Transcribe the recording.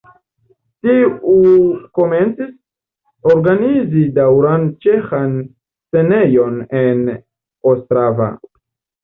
Tiu komencis organizi daŭran ĉeĥan scenejon en Ostrava.